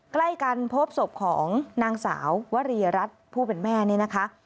ใกล้กันพบศพของนางสาววรีรัฐผู้เป็นแม่นี่นะคะ